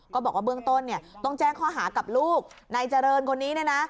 ก็บอกว่าเบื้องต้นต้องแจ้งข้อหากับลูกในเจริญคนนี้นะ